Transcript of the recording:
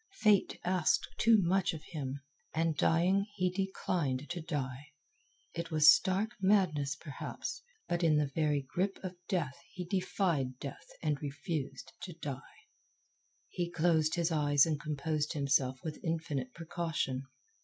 Fate asked too much of him. And, dying, he declined to die. It was stark madness, perhaps, but in the very grip of Death he defied Death and refused to die. He closed his eyes and composed himself with infinite precaution.